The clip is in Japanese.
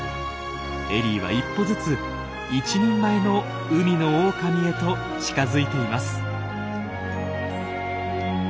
エリーは一歩ずつ一人前の海のオオカミへと近づいています。